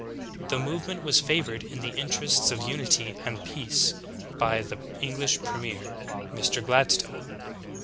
The movement was favored in the interests of unity and peace by the English premier, Mr. Gladstone.